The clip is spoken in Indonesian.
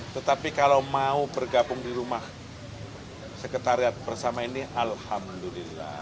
tetapi kalau mau bergabung di rumah sekretariat bersama ini alhamdulillah